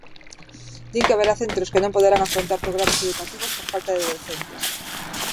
Din que haberá centros que non poderán afrontar programas educativos por falta de docentes.